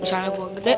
misalnya gua gede